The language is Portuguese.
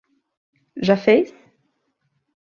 Já fez?